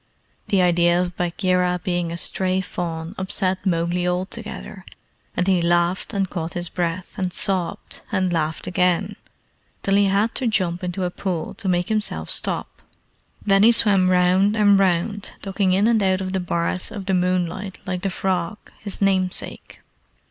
The idea of Bagheera being a stray fawn upset Mowgli altogether, and he laughed and caught his breath, and sobbed and laughed again, till he had to jump into a pool to make himself stop. Then he swam round and round, ducking in and out of the bars of the moonlight like the frog, his namesake.